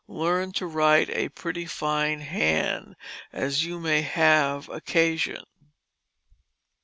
Learn to write a pretty fine Hand as you may have Ocation."